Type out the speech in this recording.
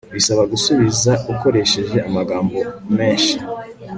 bisaba gusubiza ukoresheje amagambo menshi